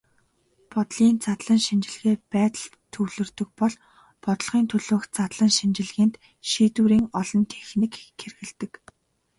Бодлогын задлан шинжилгээ байдалд төвлөрдөг бол бодлогын төлөөх задлан шинжилгээнд шийдвэрийн олон техникийг хэрэглэдэг.